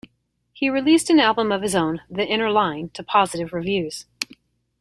He released an album of his own, "The Inner Line", to positive reviews.